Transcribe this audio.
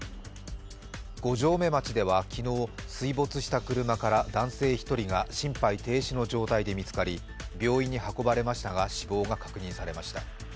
五城目町では昨日、水没した車から男性１人が心肺停止の状態で見つかり病院に運ばれましたが死亡が確認されました。